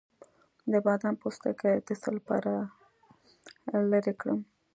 د بادام پوستکی د څه لپاره لرې کړم؟